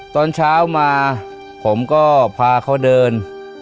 ตอนเช้ามาผมก็พาเขาเดิน